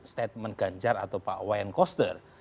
statement ganjar atau pak wayan koster